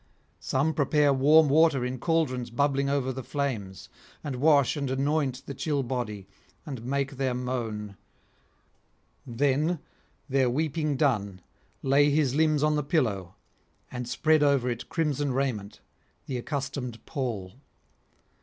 Some prepare warm water in cauldrons bubbling over the flames, and wash and anoint the chill body, and make their moan; then, their weeping done, lay his limbs on the pillow, and spread over it crimson raiment, the accustomed pall.